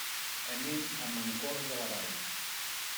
Anem a Mancor de la Vall.